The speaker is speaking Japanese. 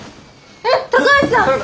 えっ高橋さん！